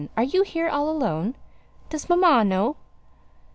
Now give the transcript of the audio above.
are you here all alone? Does mamma know?"